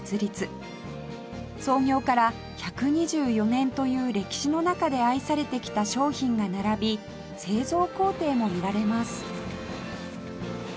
創業から１２４年という歴史の中で愛されてきた商品が並び製造工程も見られます